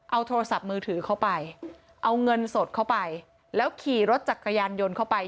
เอาโทรศัพท์มือถือเข้าไปเอาเงินสดเข้าไปแล้วขี่รถจักรยานยนต์เข้าไป